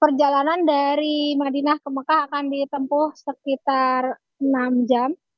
perjalanan dari madinah ke mekah akan ditempuh sekitar enam jam